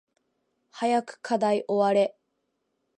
早く課題終われ